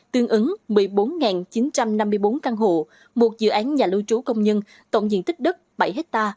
tương ứng một mươi bốn chín trăm năm mươi bốn căn hộ một dự án nhà lưu trú công nhân tổng diện tích đất bảy ha